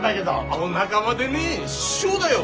お仲間でねえ師匠だよ。